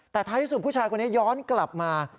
แต่ท้ายที่สุดผู้ชายคนนี้ย้อนกลับมา